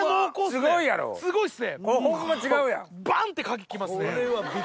すごいっすね！